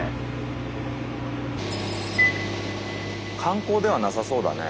観光ではなさそうだね。